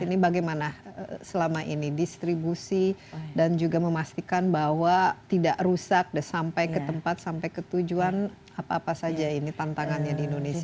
ini bagaimana selama ini distribusi dan juga memastikan bahwa tidak rusak sampai ke tempat sampai ke tujuan apa apa saja ini tantangannya di indonesia